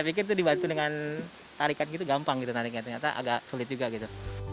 tapi sekarang dibantu dengan tarikan gitu gampang gitu tarikan ternyata agak sulit juga gitu